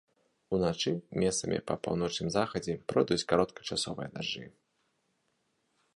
Уначы месцамі па паўночным захадзе пройдуць кароткачасовыя дажджы.